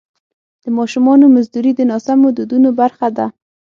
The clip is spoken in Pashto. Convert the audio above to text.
د ماشومانو مزدوري د ناسمو دودونو برخه ده.